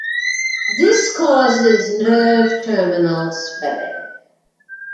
This causes nerve terminal swelling.